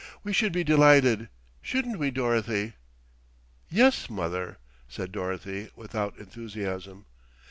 "We should be delighted, shouldn't we, Dorothy?" "Yes, mother," said Dorothy without enthusiasm.